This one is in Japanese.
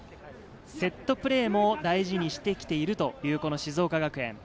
セットプレーも大事にしてきているという静岡学園。